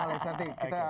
ya berpisahnya di dalam